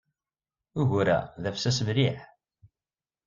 Ugur-a d afessas mliḥ.